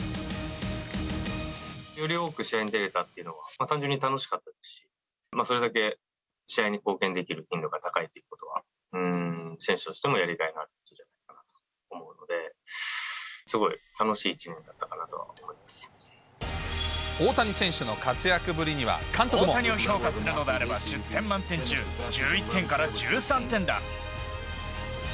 より多く試合に出れたというのは単純に楽しかったですし、それだけ試合に貢献できる頻度が高いということは、選手としてもやりがいがあると思うので、すごい楽しい１年だった大谷選手の活躍ぶりには監督大谷を評価するのであれば、１０点満点中１１点から１３点だ。